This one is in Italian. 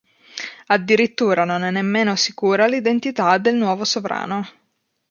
Addirittura non è nemmeno sicura l'identità del nuovo sovrano.